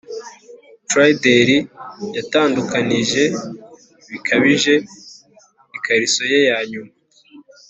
trysdale yatandukanije bikabije ikariso ye ya nyuma,